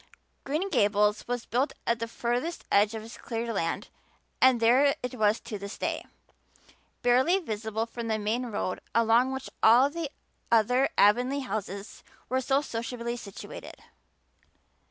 Green Gables was built at the furthest edge of his cleared land and there it was to this day, barely visible from the main road along which all the other Avonlea houses were so sociably situated.